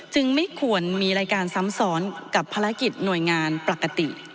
ไม่ควรมีรายการซ้ำซ้อนกับภารกิจหน่วยงานปกติ